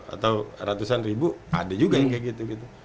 atau ratusan ribu ada juga yang kayak gitu gitu